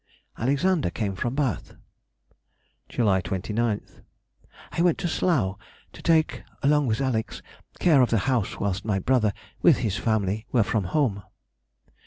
_—Alexander came from Bath. July 29th.—I went to Slough to take (along with Alex.) care of the house whilst my brother, with his family, were from home.